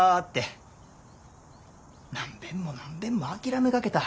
何べんも何べんも諦めかけた。